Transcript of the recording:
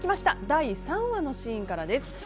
第３話のシーンからです。